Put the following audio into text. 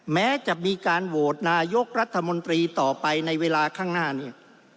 แม้จะมีการโหวตนายกรัฐมนตรีต่อไปในเวลาข้างหน้านี้